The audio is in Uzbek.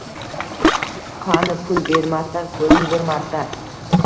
qani, pul bermasdan ko’ring bir marta